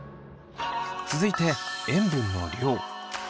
続いて塩分の量。